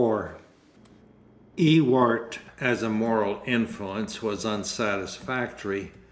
IV Ewart as a moral influence was unsatisfactory.